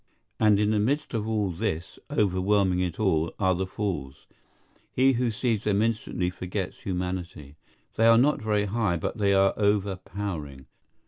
And in the midst of all this, overwhelming it all, are the Falls. He who sees them instantly forgets humanity. They are not very high, but they are overpowering.